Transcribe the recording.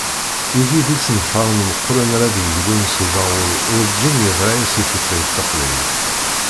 Wigi d isenfaren meqqṛen ara d-yeglun s ubaɣur urǧin yeḍra-as i tutlayt taqbaylit.